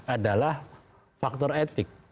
adalah faktor etik